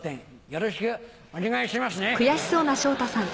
よろしくお願いしますよ。